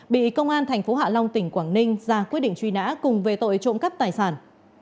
bị công an thành phố hạ long tỉnh quảng ninh ra quyết định truy nã cùng về tội trộm cắp tài sản